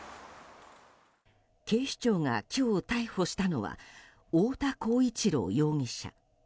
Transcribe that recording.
警視庁が今日逮捕したのは太田浩一朗容疑者。